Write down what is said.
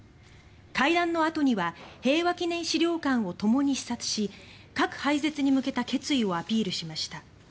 会談のあとには平和記念資料館をともに視察し核廃絶に向けた決意をアピールしました。